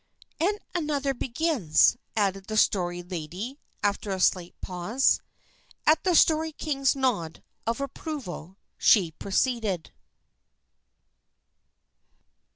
"And another begins," added the Story Lady, after a slight pause. At the Story King's nod of approval, she proceeded.